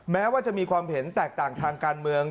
แม้ว่าจะมีความเห็นแตกต่างทางการเมือง